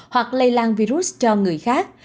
hoặc lây lan virus cho người khác